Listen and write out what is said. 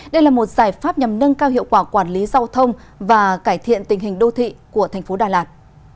đây là một giải pháp nhằm nâng cao hiệu quả quản lý giao thông và cải thiện tình hình đô thị của thành phố đà lạt